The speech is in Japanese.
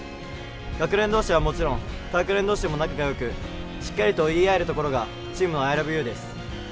学年同士はもちろん他学年同士でも仲がよくしっかりと言い合えるところがチームのアイラブユーです。